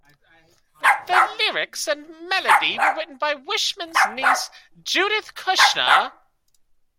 The lyrics and melody were written by Wishman's niece, Judith Kushner.